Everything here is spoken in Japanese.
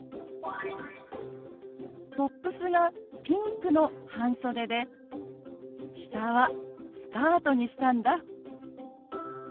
「トップスがピンクの半袖で下はスカートにしたんだ」。